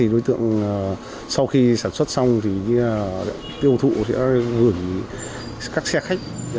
đối tượng sau khi sản xuất xong thì tiêu thụ gửi các xe khách